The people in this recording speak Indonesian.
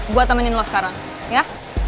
gue temenin lo sekarang ya